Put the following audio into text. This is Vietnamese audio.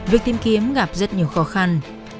việc tìm kiếm gặp rất nhiều khó khăn